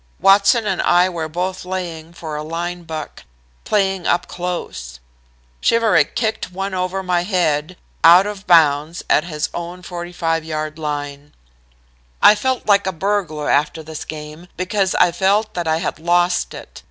Watson and I were both laying for a line buck; playing up close. Shiverick kicked one over my head, out of bounds at his own 45 yard line. "I felt like a burglar after this game, because I felt that I had lost it.